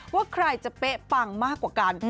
ว่าใครจะเป๊ะปังมากกว่ากัน